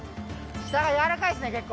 下が柔らかいですね、結構。